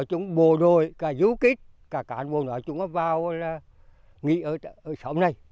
chúng bồ đôi cả du kết cả cán bồ nội chúng vào nghỉ ở xóm này